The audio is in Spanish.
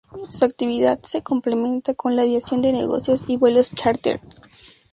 Su actividad se complementa con la aviación de negocios y vuelos chárter.